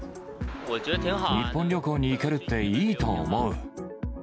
日本旅行に行けるっていいと思う。